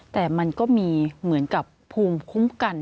แต่มันก็มีเหมือนกับภูมิคุ้มกัน